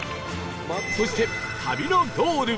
そして旅のゴール